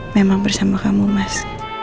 memang bersama kamu mas